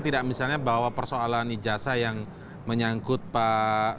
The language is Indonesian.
tidak misalnya bahwa persoalan ijazah yang menyangkut pak